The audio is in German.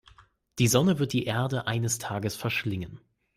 Die Sonne wird die Erde eines Tages verschlingen.